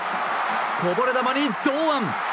こぼれ球に堂安！